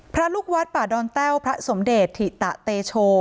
พระลุกวัดปราดอลเต้วพระสมเดชถิตะเตชัวร์